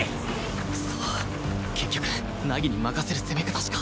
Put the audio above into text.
クソ結局凪に任せる攻め方しか